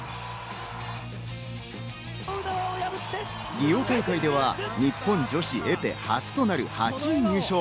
リオ大会では日本女子エペ初となる８位入賞。